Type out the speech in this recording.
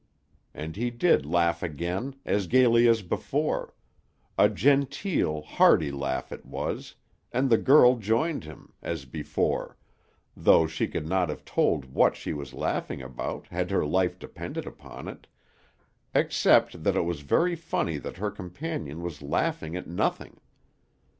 And he did laugh again, as gayly as before; a genteel, hearty laugh it was, and the girl joined him, as before, though she could not have told what she was laughing about had her life depended upon it, except that it was very funny that her companion was laughing at nothing.